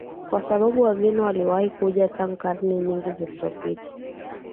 kwa sababu wageni waliwahi kuja tangu karne nyingi zilizopita